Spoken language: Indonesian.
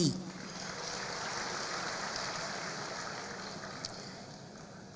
bapak muhammad riazul muzy